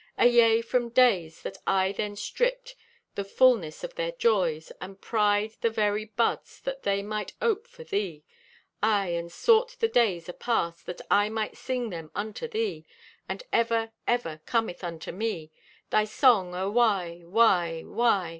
Ayea, from days have I then stripped The fulness of their joys, and pryed The very buds that they might ope for thee. Aye, and sought the days apast, That I might sing them unto thee. And ever, ever, cometh unto me Thy song o' why? why? why?